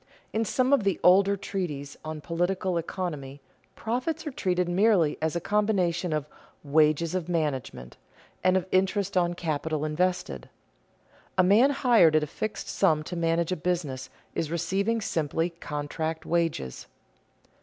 _ In some of the older treatises on political economy, profits are treated merely as a combination of "wages of management," and of interest on capital invested. A man hired at a fixed sum to manage a business is receiving simply contract wages.